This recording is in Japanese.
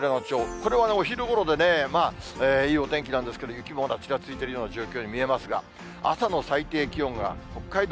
これはお昼ごろで、いいお天気なんですけれども、雪もちらついているような状況に見えますが、朝の最低気温が北海道